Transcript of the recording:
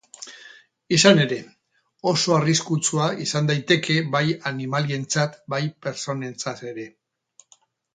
Izan ere, oso arriskutsua izan daiteke bai animalientzat bai pertsonentzat ere.